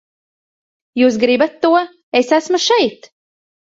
Jūs gribat to, es esmu šeit!